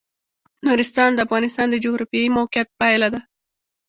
نورستان د افغانستان د جغرافیایي موقیعت پایله ده.